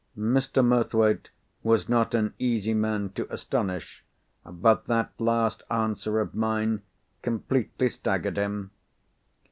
Mr. Murthwaite was not an easy man to astonish; but that last answer of mine completely staggered him.